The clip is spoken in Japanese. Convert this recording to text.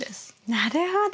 なるほど。